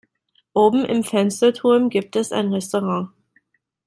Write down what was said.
Oben im Fernsehturm gibt es ein Restaurant.